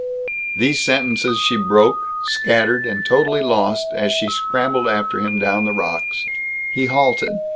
These sentences she broke, scattered, and totally lost as she scrambled after him, down the rocks. He halted.